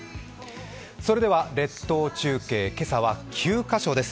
それでは列島中継、今朝は９カ所です。